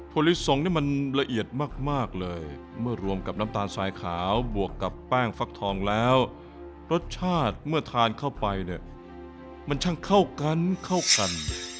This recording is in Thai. ผลิสงนี่มันละเอียดมากเลยเมื่อรวมกับน้ำตาลสายขาวบวกกับแป้งฟักทองแล้วรสชาติเมื่อทานเข้าไปเนี่ยมันช่างเข้ากันเข้ากัน